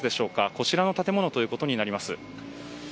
こちらの建物ということになります。